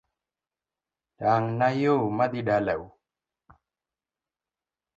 Tang na yoo madhii dalau